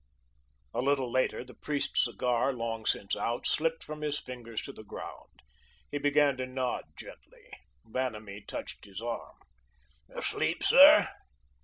A little later, the priest's cigar, long since out, slipped from his fingers to the ground. He began to nod gently. Vanamee touched his arm. "Asleep, sir?"